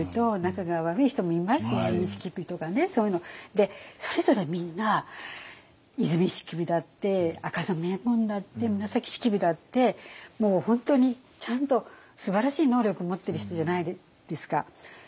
でそれぞれみんな和泉式部だって赤染衛門だって紫式部だってもう本当にちゃんとすばらしい能力を持ってる人じゃないですか。